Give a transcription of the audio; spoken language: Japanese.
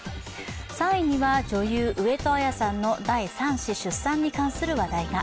３位には女優上戸彩さんの第３子出産に関する話題が。